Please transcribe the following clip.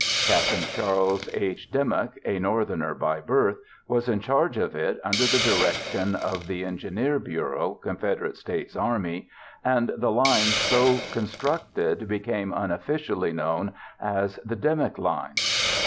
Capt. Charles H. Dimmock, a Northerner by birth, was in charge of it under the direction of the Engineer Bureau, Confederate States Army, and the line so constructed became unofficially known as the "Dimmock Line."